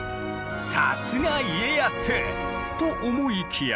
さすが家康！と思いきや。